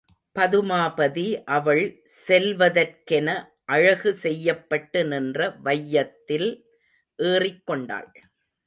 பதுமாபதி அவள் செல்வதற்கென அழகு செய்யப்பட்டு நின்ற வையத்தில் ஏறிக்கொண்டாள்.